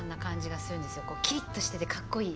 キリッとしてて格好いい。